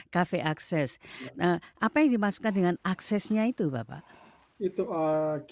cafe access nah apa yang dimasukkan dengan aksesnya itu bapak